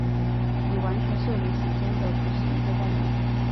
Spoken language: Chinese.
与完全摄影写真的不是一个概念。